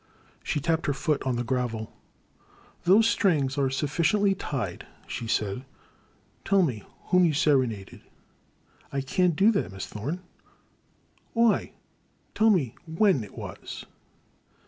She tapped her foot on the gravel. "Those strings are suflSdently tied,*' she said, tell me whom you serenaded ?"*' I can't do that, Miss Thorne.*' Why ? Then tell me when it was."